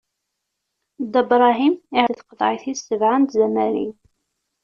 Dda Bṛahim iɛezl-d si tqeḍɛit-is sebɛa n tzamarin.